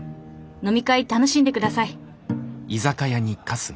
飲み会楽しんでください！」。